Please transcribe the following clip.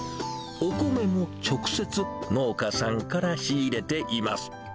お米も直接、農家さんから仕入れています。